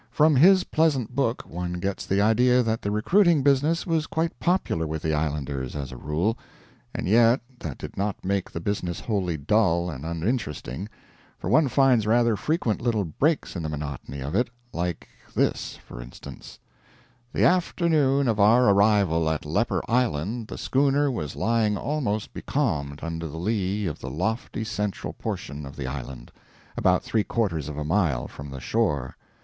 From his pleasant book one gets the idea that the recruiting business was quite popular with the islanders, as a rule. And yet that did not make the business wholly dull and uninteresting; for one finds rather frequent little breaks in the monotony of it like this, for instance: "The afternoon of our arrival at Leper Island the schooner was lying almost becalmed under the lee of the lofty central portion of the island, about three quarters of a mile from the shore.